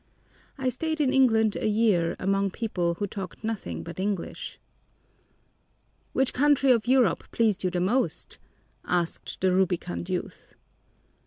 "I stayed in England a year among people who talked nothing but English." "Which country of Europe pleased you the most?" asked the rubicund youth.